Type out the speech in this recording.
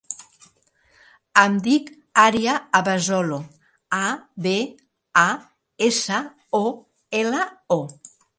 Em dic Aria Abasolo: a, be, a, essa, o, ela, o.